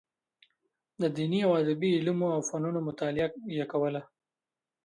د دیني او ادبي علومو او فنونو مطالعه یې کوله.